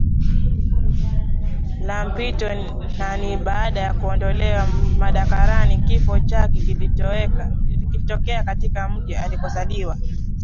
la Mpito na ni baada ya kuondolewa madarakani Kifo chake kilitokea katika mji alikozaliwa